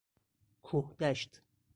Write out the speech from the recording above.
کوهدشت